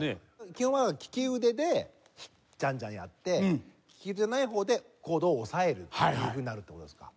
基本はきき腕でジャンジャンやってきき腕じゃないほうでコードを押さえるというふうになるって事ですか。